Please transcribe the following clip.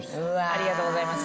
ありがとうございます。